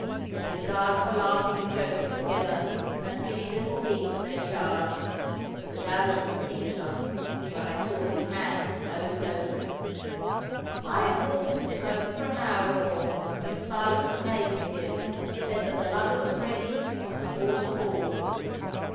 His guards were laughing and joking together, and giving little heed to their charge, but the gauger was keen enough, for I saw his hand close over it. I had walked and smoked for an hour or more, when Silas the mate appeared, and said that the lugger was ready and the horse aboard.